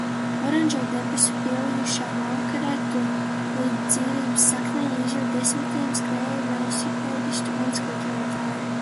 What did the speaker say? Oranžo debesu pielijušajā novakarē to līdz dzīvības saknei izjūt desmitiem skrējēju, velosipēdistu un skrituļotāju.